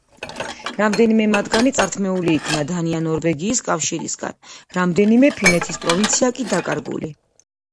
რამდენიმე მათგანი წართმეული იქნა დანია-ნორვეგიის კავშირისგან, რამდენიმე ფინეთის პროვინცია კი დაკარგული.